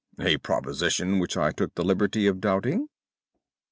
"A proposition which I took the liberty of doubting."